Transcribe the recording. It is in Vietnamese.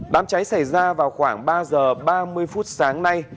đám cháy xảy ra vào khoảng ba giờ ba mươi phút sáng nay